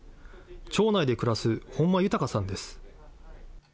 町内で暮らす本間裕さんです。